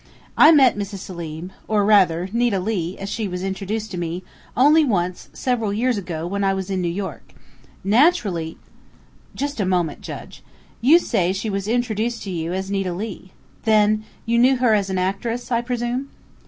I met Mrs. Selim, or rather, Nita Leigh, as she was introduced to me, only once, several years ago when I was in New York. Naturally " "Just a moment, Judge. You say she was introduced to you as Nita Leigh. Then you knew her as an actress, I presume?"